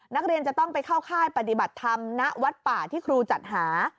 นักเรียนจะต้องไปเข้าค่ายปฏิบัติธรรมณวัดป่าที่ครูจัดหา